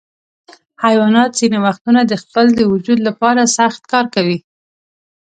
حیوانات ځینې وختونه د خپل وجود لپاره سخت کار کوي.